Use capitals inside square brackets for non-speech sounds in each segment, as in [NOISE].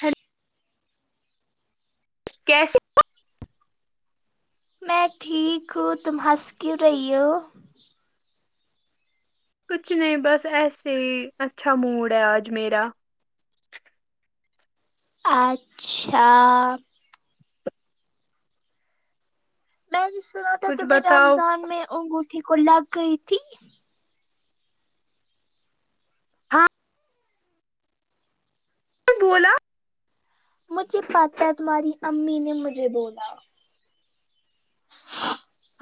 hello کیسی میں ٹھیک ہوں تم ہنس کیوں رہی ہو کچھ نہیں بس ایسے ہی اچھا موڈ ہے آج میرا اچھا میں نے سنا تھا کچھ تمہیں بتاؤ رمضان میں انگوٹھی کو لگ گئی تھی ہاں بولا مجھے پت ہے تمہاری امی نے مجھے بولا چ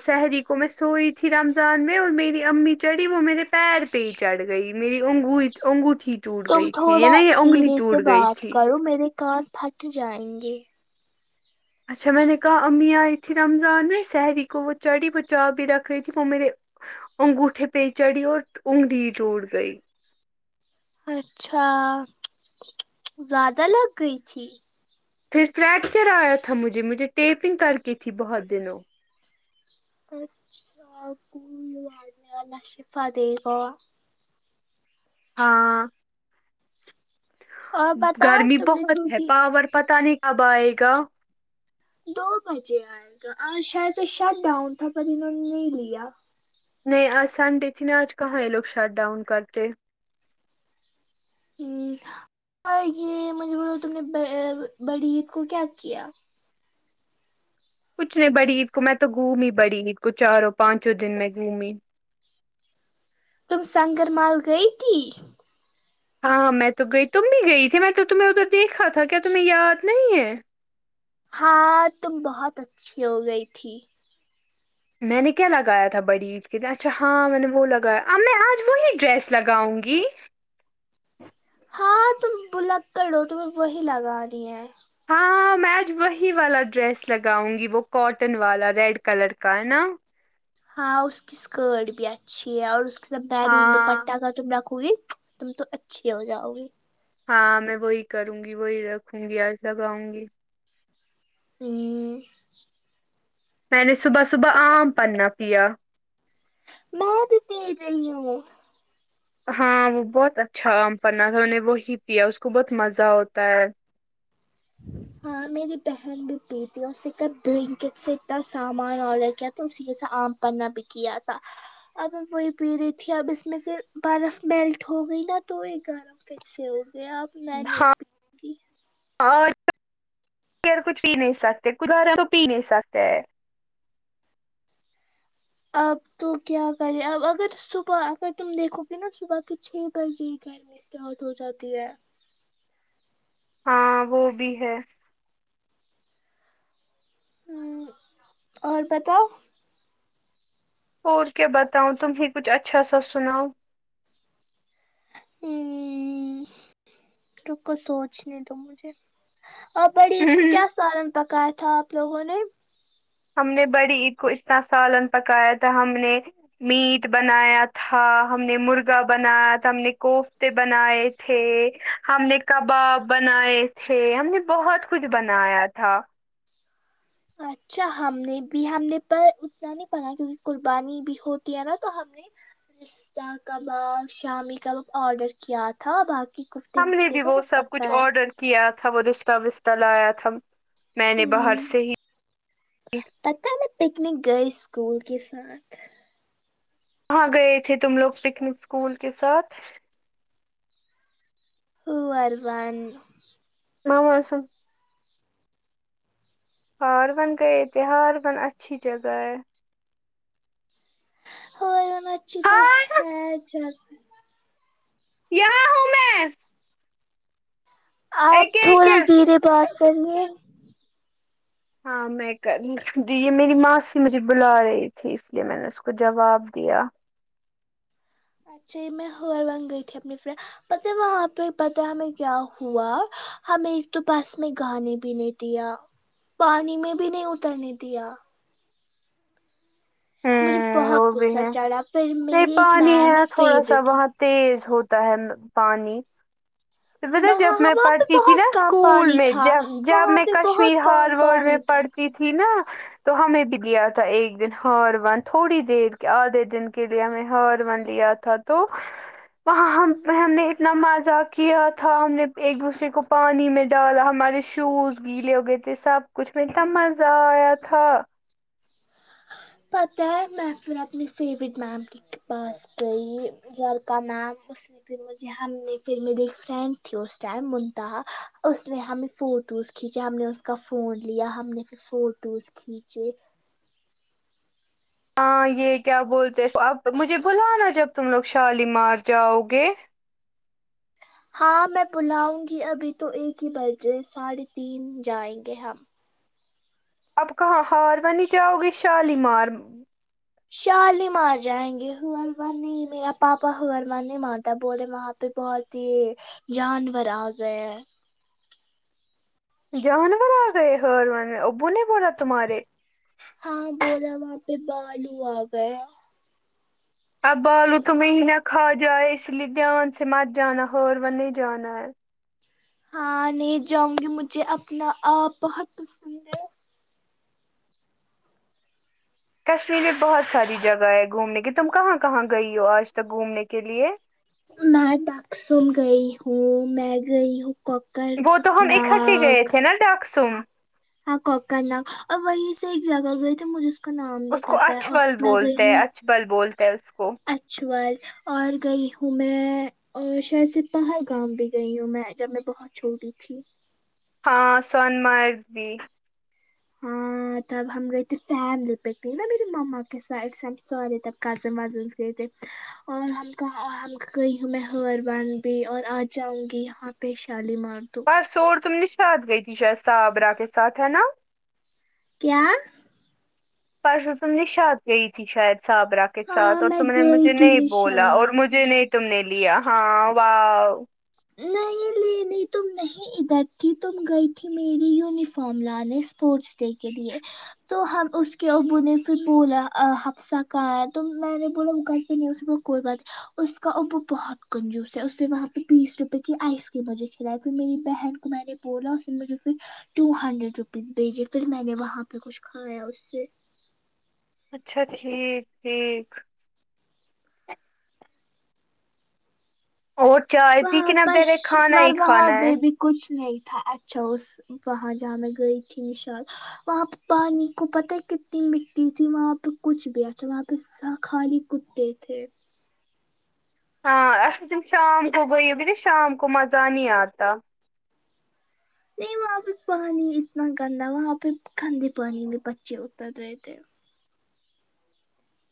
سہری کو میں سوئی تھی رمضان میں اور میری امی چڑھی وہ میرے پیر پی چڑھ گئی میری اننگو اگو ٹھیک تم تھوڑا دھیرے سے بات تھی کرو میرے کان پھٹ جائیں گے اچھا میں نے کہا اممی آئی تھی رمضان میں سحری کو وہ چڑھی وہ چا بھی رکھ رہی تھی وہ میرے انگوٹے پی چڑھی اور انگنی ٹوٹ گئی اچھا زیادہ لگ گئی تھی پھر فریکچر آیا تھا مجھے مجھے ٹیپنگ کر کے تھی بہت دنوں اچھا کوئی نے اللہ شفاء دیگا ہاں اور بتاؤ گرمی تم نے بہت ہے چھوٹی پاور پتہ نہیں کب آئے گا دو بجے آئے گا اور شاید سے شٹ ڈاؤن تھا پر انہوں نے نہیں لیا نہیں آج سنڈے تھی نا آج کہاں ہے لوگ شٹ ڈاؤن کرتے ھمم اور یہ مجھے بولوتم نے بڑی عید کو کیا کیا کچھ نہیں بڑی عید کو میں تو گھومی بڑی عید کو چاروں پانچوں دن میں گھومی تم سنگر مال گئی تھی ہاںاں میں تو گئی تم نہیں گئی تھی میں تو تمہیں ادھر دیکھا تھا کیا تمہیں یاد نہیں ہے ہاں تم بہت اچھی ہو گئی تھی میں نے کیا لگایا تھا بڑی عید کے لیے اچھا ہاں میں نے وہ لگایا اب میں آج وہی ڈریس لگاؤں گی ہاں تم بھلکڑ تمہیں وہی لگاانی ہے ہاں میں آج وہی والا ڈریس لگاؤں گی وہ کاٹن والا ریڈ کلر کا ہے نا ہاں اس کی اسکرٹ بھی اچھی ہے اور اس کے میرون ہاں دوپٹہ کا تم رکھو گی تم تو اچھی ہو جاؤ گی ہاں میں وہی کروں گی وہی رکھوں گی ایسا گاوں گی ھمم میں نے صبح صبح آم پننا پیا میں بھی پی رہی ہوں ہاں وہ بہت اچھا عام پننا تھا ان نے وہی پیا اس کو بہت مزہ ہوتا ہے ہاں میری بہن بھی پی تھی اسے کا بلینکٹ سے اتنا سامان آڈر کیا تھا اسی کے ساتھ آم پننا بھی کیا تھا اب اب وہی پی رہی تھی اب اس میں سے برف میلٹ ہو گئی نا تو یہ گرم کیسے ہو گئے آپ ہاں اور کیا کر کچھ پی نہیں سکتے [UNINTELLIGIBLE] پی نہیں سکتے آپ تو کیا کریں اپ اگر صبح اگر تم دیکھو گے نا صبح کے چھ بجے گے اسٹارٹ ہو جاتی ہے ہاں وہ بھی ہے ھمم اور بتاؤ اور کیا بتاؤں تم ہی کچھ اچھا سا سناؤ ھمممم روکو سوچنے دو مجھے آ پڑید کو کیا سالن پکایا تھا آپ لوگوں نے ہم نے بڑی عید کو اسکا سالن پکایا تھا ہم نے میٹ بنایا تھا ہم نے مرغا بنایا تھا ہم نے کوفتے بنائے تھے ہم نے کباب بنائے تھے ہم نے بہت کچھ بنایا تھا اچھا ہم نے بھی ہم نے پر اتنا نہیں بناۓ کیونکہ قربانی بھی ہوتی ہے نا تو ہم نے پستہ کباب شامی کب آڈر کیا تھا باقی کفتے ہم نے وفتے بھی تو وہ سب پکا کچھ ہے آرڈر کیا تھا وہ رستہ وستہ لایا تھا میں نے باہر ھمم سے ہی پتہ ہے میں پکنک گئی اسکول کے ساتھ کہاں گئے تھے تم لوگ پکنک اسکول کے ساتھ [UNINTELLIGIBLE] [UNINTELLIGIBLE] ہار وبن گئے تهے ہار بن اچھی جگہ ہے ہاں ہار بن ا چھی تو ہاں ہے جگہ یہاں ہوں میں آپ ایک ایک تھوڑا دھیرے بات کریے ہاں میں کری جی میری ماسی مجھے بلا رہی تھی اس لیے میں نے اس کو جواب دیا اچھا یہ میں ہر ونگ گئی تھی اپنی فرینڈ پته وہاں پہ پتا ہمیں کیا ہوا ہمیں ایک تو بس میں گانے بھی نہیں دیا پانی میں بھی نہیں اترنے دیا مجھے بہت ہوں وہ بھی غصہ ہے چڑھا پھر نہیں میری ایک پانی ہے میم نا تھوڑا سا فیوریٹ وہاں تیز ہوتا ہے پانی تو پتا وہاں جب میں وہاں پہ پڑھتی تھی نا بہت کم اسکول پانی میں تھا جب جب وہاں میں پہ کشمیر بہت کم ہارڈ میں پانی تھا پڑھتی تھی تھی نا تو ہمیں بھی لیا تھا ایک دن ہار ون تھوڑی دیر کے آدھے دن کے لیے ہمیں ہار ون لیا تھا تھا تو وہاں ہم ہم نے اتنا مذا کیا تھا ہم نے ایک دوسرے کو پانی میں ڈالا ہمارے شوز گیلے ہوگئے تھے سب کچھ میں اتنا مزہ آیا تھا پتاہ ہے میں پھر اپنی فیورٹ میم کی پاس گیی جولکا میم اس میں پھر مجھے ہم نے پھر مریے ایک فرینڈ تھی اس ٹائم منتہا اس نے ہمیں فوٹوز کھینچے ہم نے اس کا فون لیا ہم نے پھر فوٹوز کھیچے ہاں یہ کیا بولتے اب مجھے بلانا جب تم لوگ شالیمار جاؤ گے ہاں میں بلاؤں گی ابھی تو ایک ہی بجے ساڑھے تین جائیں گے ہم اب کہاں ہارون جاؤ گی شالیمار شالیمار جائیں گے ہورمان نہیں میرا پاپا ہورمان نہیں مارتا بولے وہاں پ پہ بہت ہی جانور آ گئے ہے جانور آ گئے ہر ون ابو نے بولا تمہارے ہاں بولا وہاں پہ بالو آ گیا اب بالو تمہیں نہ کھا جائے اس لیے دھیان سے مت جانا ہور و نہیں جانا ہے ہاں نہیں جاؤں گی مجھے اپنا آپ بہت پسند ہے کشمیر میں بہت ساری جگہ ہے گھومنے کی تم کہاں کہاں گئی ہو آج تک گھومنے کے لیے میں ڈاکسن گئی ہوں میں گئی ہوں وہ تو ہم اکٹھے طرناگ گئے تھے ڈاکسم ہاں کوکر نگ اور وہیں سے ایک جگہ گئے تھے مجھے کا نام نہیں اس کو پتا ہے اور اچھبل میں گ بولتے ہے ہوں اچھبل بولتے ہے اس کو اچل اور گئی ہوں میں اور شہر سپاہر گام بھی گئی ہوں میں جب میں بہت چھوٹی تھی ہاں سون مارد بھی ہوں تب ہم گئے تھے فیملی پکنک پے میری مما کے سائڈ سے ہم سارے تب کزن وزنس گئے تھے اور ہم کہاں گئی ہوں میں ہاروں بھی اور آ جاؤں گی یہاں پہ پی شالی مار سور تم نشاط گئی تھی شاید صابرہ کے ساتھ ہے نا کیا پرسوں تم نے شاد کہی تھی شاید صاب رکھ کے ہاں ساتھ اور میں تم نے مجھے گئی تھی نہیں بولا اور نشاد مجھے نہیں تم نے لیا ہاں و نہیں لی نہیں نہیں تم نہیں ادھر تھی تم گئی تھی میری یونیفارم لانے اسپورٹس ڈے کے لیے تو ہم اس کے ابو نے پھر بولا ہفسہ کہایا تو میں نے بولا وہ گھر پہ نہیں اس کوئی بات اس کا ا بہت کنجوس ہے اسے وہاں پہ بیس روپے کی آئس کریم مجھے کھلائی پھر میری بہن کو میں نے بولا اس نے مجھے پھر ٹو ہنڈریڈ روپیز بھیجے پھر میں نے وہاں پہ کچھ کھایا اس سے اچھا ٹھیک ٹھیک اور چائے پی وہاں کے نا ڈائریکٹ کھانا پرار ہی وہاں کھانا ہے بیب کچھ نہیں تھا اچھا اس وہاں جہاں میں گئی تھی نشال وہاں پہ پانی کو پتہ کتنی مٹی تھی وہاں پہ کچھ بھی اچھا وہاں پہا خھالی کتے تھے ہاں اچ تم شام کو گ ب شام کو مز نہیں آتا نہیں وہاں پہ پانی اتنا گندا وہاں پہ گندے پانی میں بچے اتر رہے تھے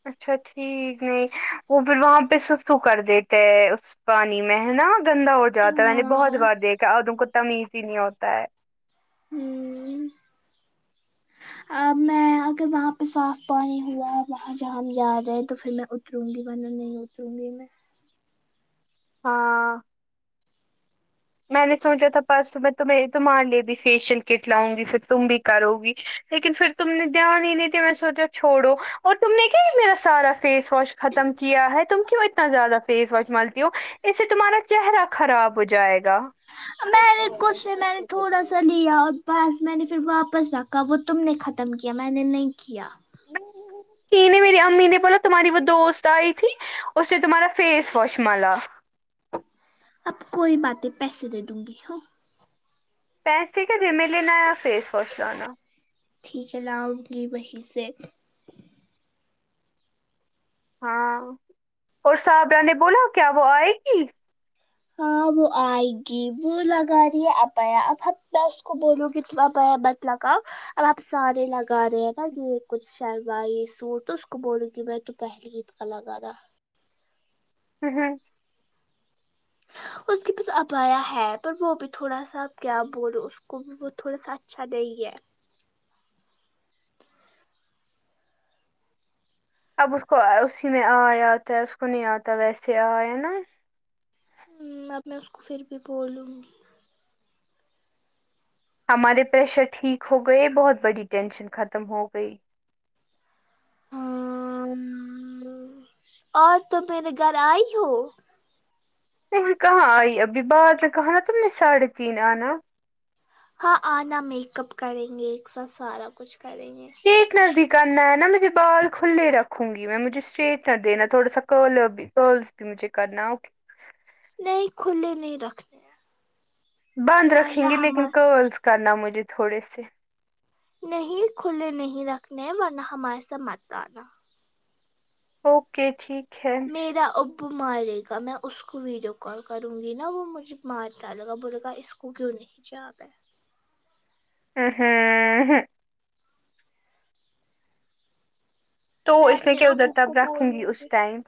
اچھا ٹھیک نہیں وہ پھر وہاں پہ سسو کر دیتے ہے پانی میں ہے نا گندا ہو جاتا ہے میں نے ہاں بہت بار دیکھا ادوں کو تمیز ہی نہیں ہوتا ہے ہ ا میں میں اگر وہاں پہ صاف پانی ہوا ہے وہاں جہ ہم جا رہے ہیں تو پھر میں اتروں گی ورنہ نہیں اتروں گی میں ہاں میں نے سوچا تھا پرس میں تمہے تو مان لیے دی فیشیل کٹ لاؤں گی پھر تم بھی کرو گی لیکن پھر تم نے دھیان ہی نہیں دیا میں سوچا چھوڑو اور تم نے کیا میرا سارا فیس واش ختم کیا ہے تم کیوں اتنا زیادہ فیس واش مالتی ہو اس سے تمہارا چہرہ خراب ہو جائے گا میں نے کچھ نہیں میں نے تھوڑا [INAUDIBLE] سا لیا اور بس میں نے پھر واپس رکھا وہ تم نے ختم کیا میں نے نہیں کیا ہی نہیں میری امی نے بولا تمہاری وہ دوست آئی تھی اس نے تمہارا فیس واش مالا اب کوئی باتیں پیسے دے دوں گی ہاں پیسے کا جی میں لینایا فیس واش لانا ٹھیک ہے لاؤں گی وہیں سے ہاں اور صاحبرہ نے بولا کیا وہ آئے گی ہاں وہ آئے گی وہ لگا رہی ہے ابیا اب ہمب میں اس کو بولوں گی توبیا بت لاگو اب آپ سارے لگا رہے ہیں نا یہ کچھ شلوائی سوٹ تو اس کو بولوں گی میں تو پہن گیت کالاگا رہا ہوں اس کے پاس ابیا ہے پر وہ بھی تھوڑا سا کیا بولو اس کو وہ تھوڑا سا اچھا نہیں ہے اب اس کو اسی میں آیا آتا ہے اس کو نہیں آتا ویسے آ ہے نا اب میں اس کو پھر بھی بولوں گی ہمارے پریشر ٹھیک ہو گئے بہت بڑی ٹینشن ختم ہو گئی ہم، اور تو میرے گھر آئی ہو نہیں کہاں آئی ابھی بعد میں کہاں نا تم نے ساڑھے تین آنا ہاں آنا میک اپ کریں گے ایک ساتھ سارا کچھ کریں گے اسٹریٹنر بھی کرنا ہے نا مجھے بال کھلے رکھوں گی میں مجھے اسٹریٹنر دینا تھوڑا سا کل کرلس بھی مجھے کرنا اوکے نہیں کھلے نہیں رکھتے بند رکھیں گے ہم لیکن کرلس کرنا مجھے تھوڑے سے نہیں کھلے نہیں رکھنے ورنہ ہمارے سات مت آنا اوکے ٹھیک ہے وہ مارے گا میں اس کو ویڈیو کال کروں گی نا وہ مجھے مارنے لگا بولے گا اس کو کیوں نہیں اچھا ہاں ہاں ہاں تو اس میں اپنے کیا ادھر ابو کو تب رکھوں گی بولوں اس ٹائم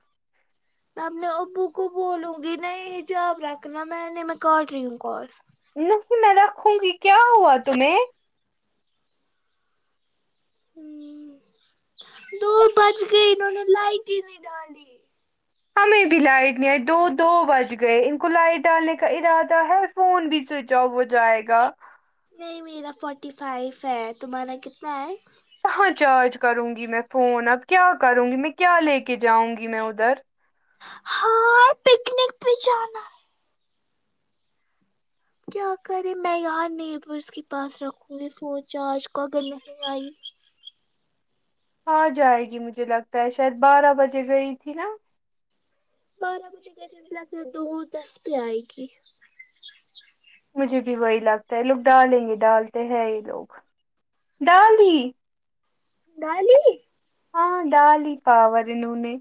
[INAUDIBLE] میں اپنے ابو کو بولوں گی نہیں جاب رکھنا میں نے میں کر رہی ہوں کال نہیں میں رکھوں گی کیا ہوا تمہیں ہوں دو بچ گئے انہوں نے لائٹ ہی نہیں ڈالی ہمیں بھی لائٹ نہیں آئی دو دو بج گئے ان کو لائٹ ڈالنے کا ارادہ ہے فون بھی سوئچ آف ہو جائے گا نہیں میرا فورٹی فائیف ہے تمہارا کتنا ہے کہاں چارج کروں گی میں فون اب کیا کروں گی میں کیا لے کے جاؤں گی میں ادھر ہاں پکنک بھی جانا کیا کریں میں یاں نیبرس کے پاس رکھوں گی فون چارج کگر نہیں آئی ا جائے گی مجھے لگتا ہے شاید بارہ بجے گئی تھی نا بارہ بجے گئے تھا نہ لگتے دو دس پہ آئے گی مجھے بھی وہی لگتا ہے یہ لوگ ڈالیں گے ڈالتے ہیں یہ لوگ ڈال دیئے ڈالی ہاں ڈالی پاور انہونے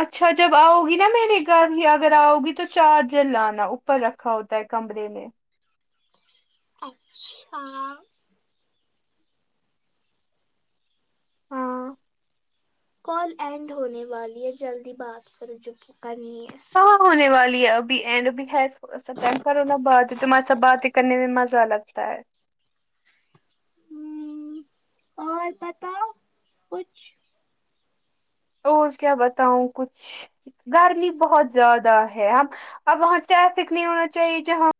اچھا جب آؤ گی نا میرے گھر بھی اگر آؤگی تو چارجر لانا ہو پر رکھا ہوتا ہے کمرے نے اچھا ہاں کال اینڈ ہونے والی ہے جلدی بات کرو جو بھی کرنی ہے وہ ہونے والی ہے ابھی اینڈ اب بھی ہے فون کرو نا بات تم سا بات ہی کرنے میں مزہ لگتا ہے اور بتاؤ کچھ اور کیا بتاؤں کچھ گرمی بہت زیادہ ہے ہم اب وہاں ٹریفک نہیں ہونا چاہیے جہاں